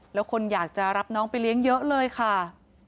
แล้วคนอยากจะรับน้องไปเลี้ยงเยอะเลยค่ะ